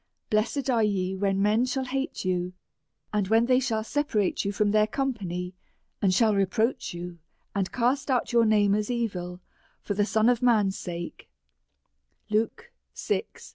Blessed are ye when men shall hate you, and when they shall sepa rate you from their company, and shall reproach you, and cast out your names as evil, for the Son of man's sake?